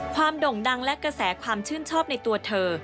โด่งดังและกระแสความชื่นชอบในตัวเธอ